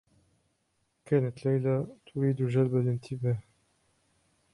كانت ليلى تريد جلب الانتباه.